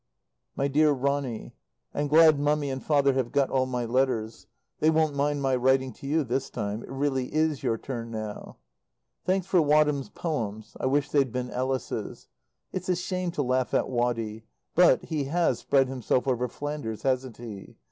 MY DEAR RONNY, I'm glad Mummy and Father have got all my letters. They won't mind my writing to you this time. It really is your turn now. Thanks for Wadham's "Poems" (I wish they'd been Ellis's). It's a shame to laugh at Waddy but he has spread himself over Flanders, hasn't he?